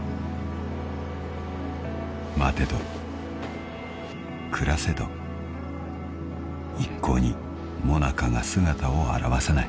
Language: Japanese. ［待てど暮らせど一向にＭＯＮＡＣＡが姿を現さない］